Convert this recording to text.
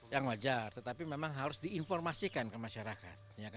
yang wajar tetapi memang harus diinformasikan ke masyarakat